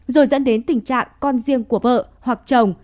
rồi dẫn đến tình trạng con riêng của vợ hoặc chồng